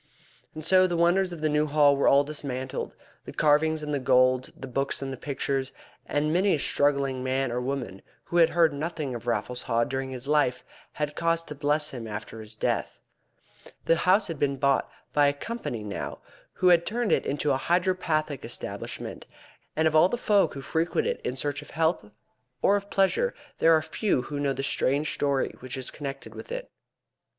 And so the wonders of the New Hall were all dismantled, the carvings and the gold, the books and the pictures, and many a struggling man or woman who had heard nothing of Raffles Haw during his life had cause to bless him after his death. The house has been bought by a company now, who have turned it into a hydropathic establishment, and of all the folk who frequent it in search of health or of pleasure there are few who know the strange story which is connected with it.